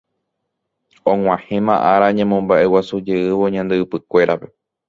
Og̃uahẽma ára ñamombaʼeguasujeývo Ñande Ypykuérape.